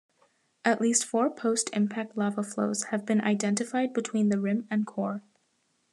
At least four post-impact lava flows have been identified between the rim and core.